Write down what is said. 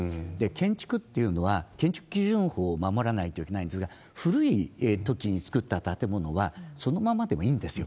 建築っていうのは、建築基準法を守らないといけないんですが、古いときに造った建物は、そのままでもいいんですよ。